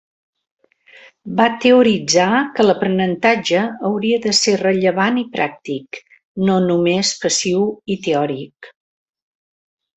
Va teoritzar que l'aprenentatge hauria de ser rellevant i pràctic, no només passiu i teòric.